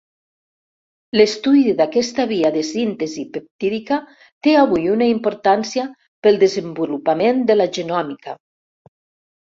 L'estudi d'aquesta via de síntesi peptídica té avui una importància pel desenvolupament de la genòmica.